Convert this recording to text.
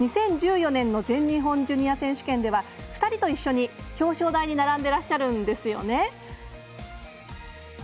２０１４年の全日本ジュニア選手権では２人と一緒に表彰台に並んでいらっしゃるんですよね。